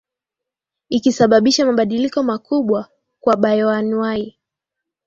ikisababisha mabadiliko makubwa kwa bayoanuai